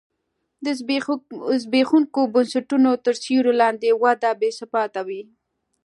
د زبېښونکو بنسټونو تر سیوري لاندې وده بې ثباته وي.